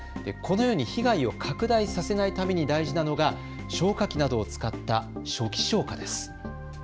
このように被害を拡大させないために大事なのが消火器などを使った初期消火です。